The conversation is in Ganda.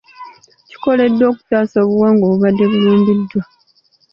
Kikoleddwa okutaasa obuwangwa obubadde bulumbiddwa.